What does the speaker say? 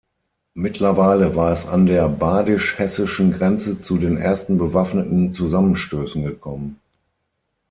Mittlerweile war es an der badisch-hessischen Grenze zu den ersten bewaffneten Zusammenstößen gekommen.